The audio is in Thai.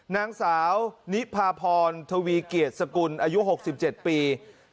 นางสาวนิพาพรทวีเกียจสกุลอายุ๖๗ปี